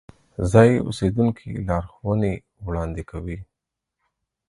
ځایی اوسیدونکي لارښوونې وړاندې کوي.